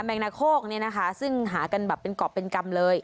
งนาโคกเนี่ยนะคะซึ่งหากันแบบเป็นกรอบเป็นกรรมเลย